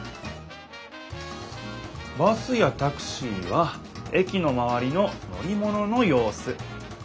バスやタクシーは駅のまわりの乗り物のようす。